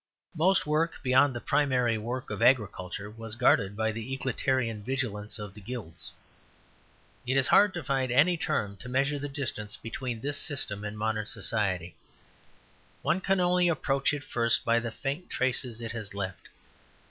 Most work beyond the primary work of agriculture was guarded by the egalitarian vigilance of the Guilds. It is hard to find any term to measure the distance between this system and modern society; one can only approach it first by the faint traces it has left.